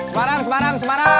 semarang semarang semarang